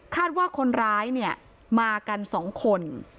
คาดว่าคนร้ายเนี่ยมากันสองคน